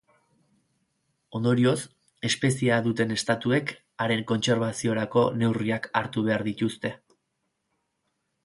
Ondorioz, espeziea duten estatuek haren kontserbaziorako neurriak hartu behar dituzte.